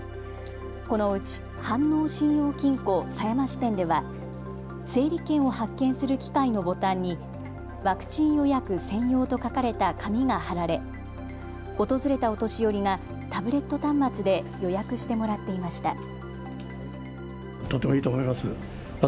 このうち飯能信用金庫狭山支店では整理券を発券する機械のボタンにワクチン予約専用と書かれた紙が貼られ訪れたお年寄りがタブレット端末で予約してもらっていました。